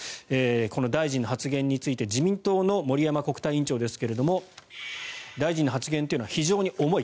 この大臣の発言について自民党の森山国対委員長ですが大臣の発言というのは非常に重い。